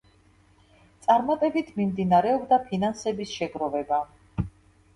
წარმატებით მიმდინარეობდა ფინანსების შეგროვება.